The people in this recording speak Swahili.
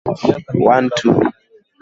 Tutapumzika saa saba